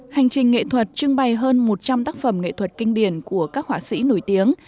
hành trình nghệ thuật trưng bày hơn một trăm linh tác phẩm nghệ thuật kinh điển của các họa sĩ nổi tiếng